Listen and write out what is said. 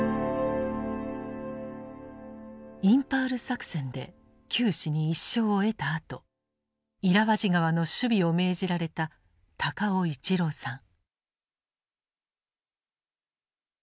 インパール作戦で九死に一生を得たあとイラワジ河の守備を命じられた高雄市郎さん。